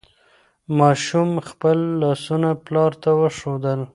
ماشوم خپل لاسونه پلار ته وښودل.